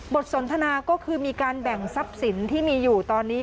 สนทนาก็คือมีการแบ่งทรัพย์สินที่มีอยู่ตอนนี้